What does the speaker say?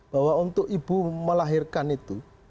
bahwa untuk ibu melahirkan itu